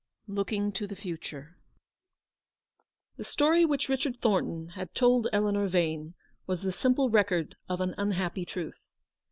LOOKING TO THE FUTURE. The story which Kichard Thornton had told Eleanor Vane was the simple record of an un happy truth.